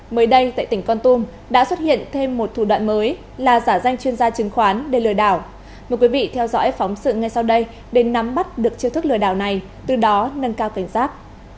mới đây tại tỉnh con tum đã xuất hiện thêm một thủ đoạn mới là giả danh chuyên gia chứng khoán để lừa đảo mời quý vị theo dõi phóng sự ngay sau đây để nắm bắt được chiêu thức lừa đảo này từ đó nâng cao cảnh giác